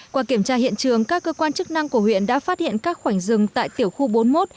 qua kiểm tra hiện trường các cơ quan chức năng của huyện đã phát hiện các khoảnh rừng tại tiểu khu bốn mươi một